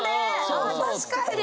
ああ確かに！